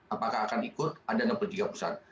apakah akan ikut ada enam puluh tiga pusat